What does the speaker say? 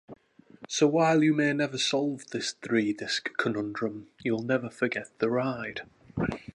So while you may never solve this three-disc conundrum, you'll never forget the ride.